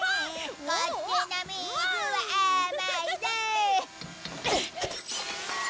「こっちのみずはあまいぞ」